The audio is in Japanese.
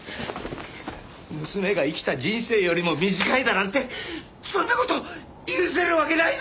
娘が生きた人生よりも短いだなんてそんな事許せるわけないだろう！